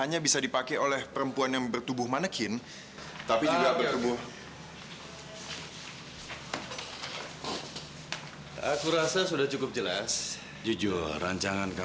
ya semoga semuanya berjalan dengan lancar ya